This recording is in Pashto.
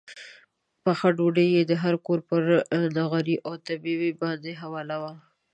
پخه ډوډۍ یې د هر کور پر نغري او تبۍ باندې حواله وه.